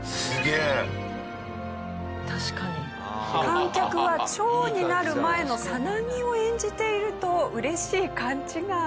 観客は蝶になる前のサナギを演じていると嬉しい勘違い。